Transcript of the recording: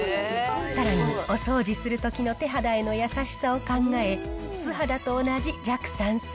さらに、お掃除するときの手肌への優しさを考え、素肌と同じ弱酸性。